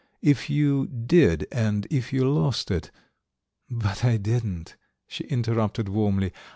If you did and if you lost it " "But I didn't," she interrupted warmly.